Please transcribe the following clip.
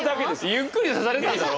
ゆっくり刺されたんだろ？